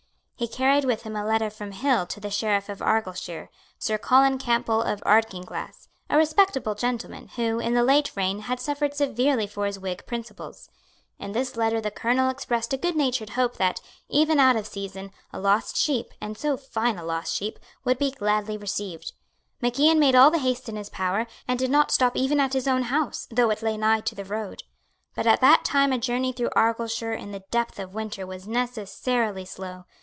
He carried with him a letter from Hill to the Sheriff of Argyleshire, Sir Colin Campbell of Ardkinglass, a respectable gentleman, who, in the late reign, had suffered severely for his Whig principles. In this letter the Colonel expressed a goodnatured hope that, even out of season, a lost sheep, and so fine a lost sheep, would be gladly received. Mac Ian made all the haste in his power, and did not stop even at his own house, though it lay nigh to the road. But at that time a journey through Argyleshire in the depth of winter was necessarily slow.